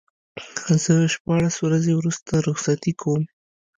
زه شپاړس ورځې وروسته رخصتي کوم.